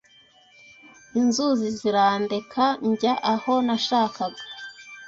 Inzuzi zirandeka njya aho nashakaga